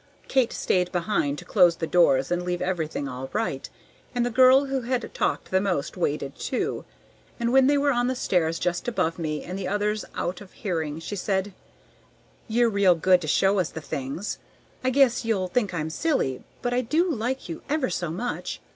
Kate stayed behind to close the doors and leave everything all right, and the girl who had talked the most waited too, and when they were on the stairs just above me, and the others out of hearing, she said, "You're real good to show us the things. I guess you'll think I'm silly, but I do like you ever so much!